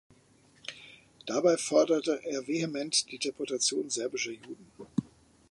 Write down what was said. Dabei forderte er vehement die Deportation serbischer Juden.